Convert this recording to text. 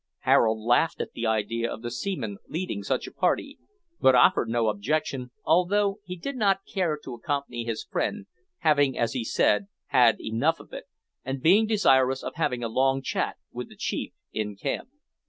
Harold laughed at the idea of the seaman leading such a party, but offered no objection, although he did not care to accompany his friend, having, as he said, had enough of it, and being desirous of having a long chat with the chief in camp.